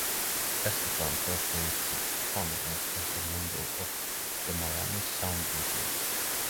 Estefan first came to prominence as a member of the Miami Sound Machine.